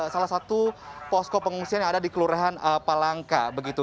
salah satu posko pengungsian yang ada di kelurahan palangka begitu